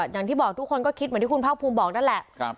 อย่างที่บอกทุกคนก็คิดเหมือนที่คุณภาคภูมิบอกนั่นแหละ